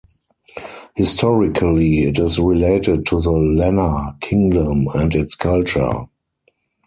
Historically it is related to the Lanna Kingdom and its culture.